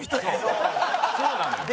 そうなのよ。